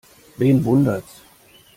Wen wundert's?